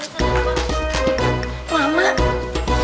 itu mau ngapain tadi